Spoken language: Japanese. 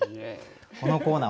このコーナー